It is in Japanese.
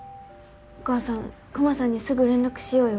お母さんクマさんにすぐ連絡しようよ。